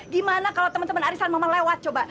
gimana kalau temen temen arisan mama lewat coba